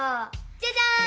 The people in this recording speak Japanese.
じゃじゃん！